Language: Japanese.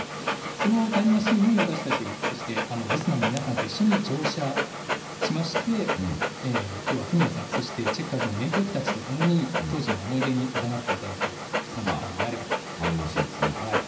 その「タイムマシーン」に私たち、そしてリスナーの皆さんと一緒に乗車しまして今日はフミヤさん、そしてチェッカーズの名曲たちとともに当時の思い出にいざなっていただこうという３時間になればと。